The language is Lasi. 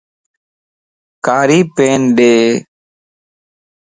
ڪاري پين ڏي